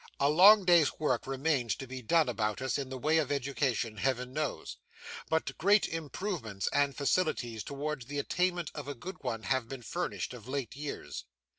A long day's work remains to be done about us in the way of education, Heaven knows; but great improvements and facilities towards the attainment of a good one, have been furnished, of late years.